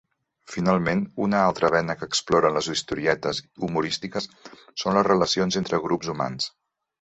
Finalment, una altra vena que exploren les historietes humorístiques són les relacions entre grups humans.